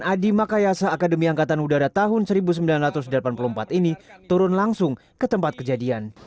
dan adi makayasa akademi angkatan udara tahun seribu sembilan ratus delapan puluh empat ini turun langsung ke tempat kejadian